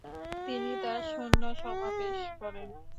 তিনি তাঁর সৈন্য সমাবেশ করেন।